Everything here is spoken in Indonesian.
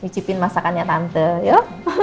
cipin masakannya tante yuk